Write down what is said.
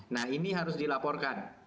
nah ini harus dilaporkan